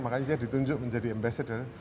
makanya dia ditunjuk menjadi ambassador